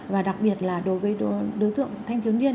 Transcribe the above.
và đặc biệt là đối với đứa tuổi thanh chiếu niên